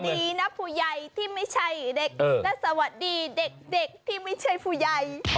ดีนะผู้ใหญ่ที่ไม่ใช่เด็กและสวัสดีเด็กที่ไม่ใช่ผู้ใหญ่